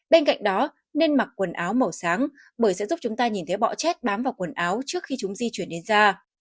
bên cạnh đó nên mặc quần áo màu sáng bởi sẽ giúp chúng ta nhìn thấy bọ chép bám vào quần áo trước khi chúng di chuyển đến da